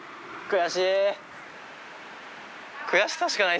悔しいな！